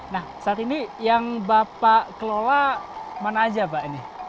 nah saat ini yang bapak kelola mana saja pak